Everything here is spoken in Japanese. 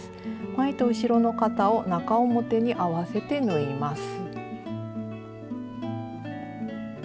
前と後ろの肩を中表に合わせて縫います。